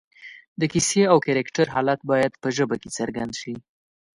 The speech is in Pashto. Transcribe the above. د کیسې او کرکټر حالت باید په ژبه کې څرګند شي